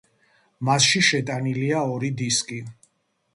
მასში შეტანილია ორი დისკი.